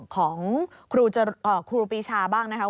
ของครูปีชาบ้างนะครับ